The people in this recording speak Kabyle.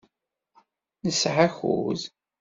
Nesɛa akud?